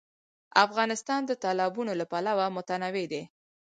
افغانستان د تالابونه له پلوه متنوع دی.